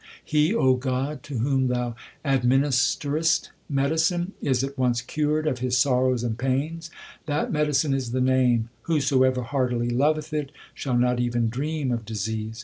He, God, to whom Thou administerest medicine, Is at once cured of his sorrows and pains. That medicine is the Name ; whosoever heartily loveth it Shall not even dream of disease.